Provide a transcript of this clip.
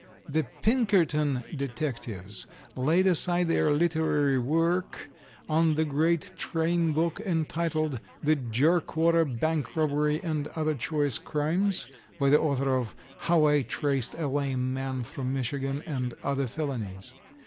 The Pinkerton detectives laid aside their literary work on the great train book, entitled "The Jerkwater Bank Robbery and other Choice Crimes," by the author of "How I Traced a Lame Man through Michigan and other Felonies."